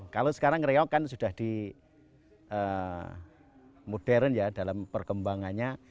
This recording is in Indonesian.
kalau sekarang reok kan sudah di modern dalam perkembangannya